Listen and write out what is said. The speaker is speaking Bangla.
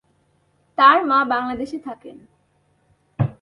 তাঁর মা বাংলাদেশে থাকেন।